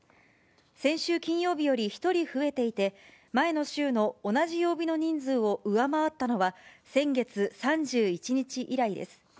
先週金曜日より１人増えていて、前の週の同じ曜日の人数を上回ったのは、先月３１日以来です。